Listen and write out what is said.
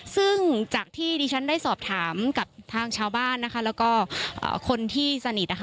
ซึ่งจากที่ดิฉันได้สอบถามกับทางชาวบ้านนะคะแล้วก็คนที่สนิทนะคะ